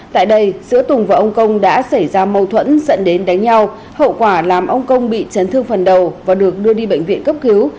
tại đây giữa tùng và ông công đã xảy ra mâu thuẫn dẫn đến đánh nhau hậu quả làm ông công bị chấn thương phần đầu và được đưa đi bệnh viện cấp cứu